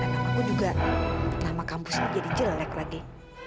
dan nama aku juga nama kampusnya jadi jelek lagi